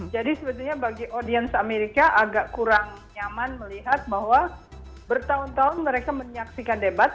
jadi sebetulnya bagi audiens amerika agak kurang nyaman melihat bahwa bertahun tahun mereka menyaksikan debat